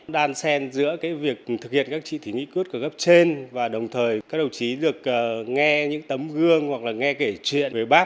đan sen giữa việc thực hiện các trị thí nghĩ cướp của gấp trên và đồng thời các đồng chí được nghe những tấm gương hoặc là nghe kể chuyện với bác